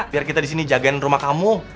biar kita di sini jagain rumah kamu